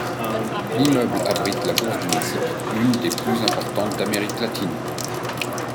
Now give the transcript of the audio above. L'immeuble abrite la Bourse du Mexique, une des plus importantes d'Amérique latine.